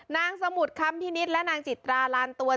นางสมุดคำพินิศและนางจิตราลานต้วน